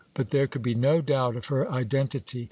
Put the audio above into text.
But there could be no doubt of her identity.